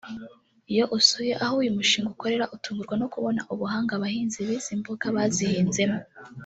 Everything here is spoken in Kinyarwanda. Iyo usuye aho uyu mushinga ukorera utungurwa no kubona ubuhanga abahinzi b’izi mboga bazihinzemo